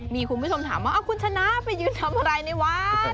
มีคุณผู้ชมถามว่าคุณชนะไปยืนทำอะไรในวัด